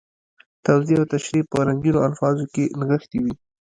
توضیح او تشریح په رنګینو الفاظو کې نغښتي وي.